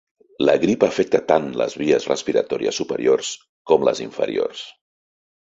La grip afecta tant les vies respiratòries superiors com les inferiors.